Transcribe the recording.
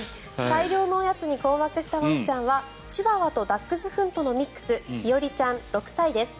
大量のおやつに困惑したワンちゃんはチワワとダックスフントのミックスひよりちゃん、６歳です。